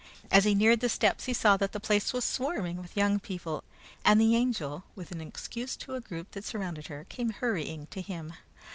As he neared the steps, he saw that the place was swarming with young people, and the Angel, with an excuse to a group that surrounded her, came hurrying to him.